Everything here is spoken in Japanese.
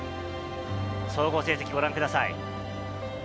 総合成績をご覧ください。